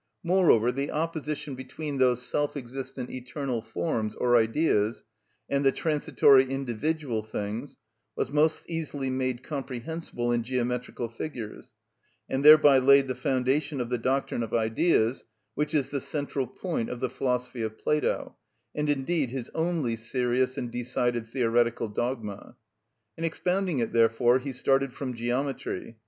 Moreover, the opposition between those self existent eternal forms, or Ideas, and the transitory individual things, was most easily made comprehensible in geometrical figures, and thereby laid the foundation of the doctrine of Ideas, which is the central point of the philosophy of Plato, and indeed his only serious and decided theoretical dogma. In expounding it, therefore, he started from geometry.